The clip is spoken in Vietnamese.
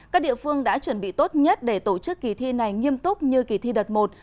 các địa phương đã chuẩn bị tốt nhất để tổ chức kỳ thi này nghiêm túc như kỳ thi đợt một